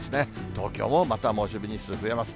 東京もまた猛暑日日数増えます。